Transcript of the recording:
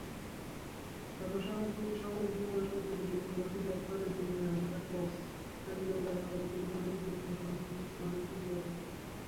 এরপর সামরিক জীবনের সমাপ্তি ঘটিয়ে ইউনিভার্সিটি অফ ক্যালিফোর্নিয়া অ্যাট লস এঞ্জেলেস-এ পদার্থবিজ্ঞান ও গণিতের উপর স্নাতক ডিগ্রি অর্জন করেন।